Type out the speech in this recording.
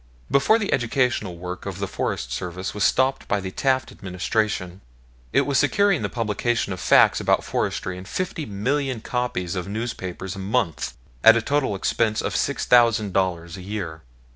Before the educational work of the Forest Service was stopped by the Taft Administration, it was securing the publication of facts about forestry in fifty million copies of newspapers a month at a total expense of $6000 a year.